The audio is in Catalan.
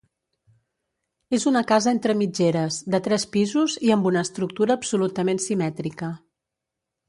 És una casa entre mitgeres, de tres pisos i amb una estructura absolutament simètrica.